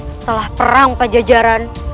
setelah perang pak jajaran